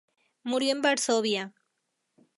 Murió en Varsovia.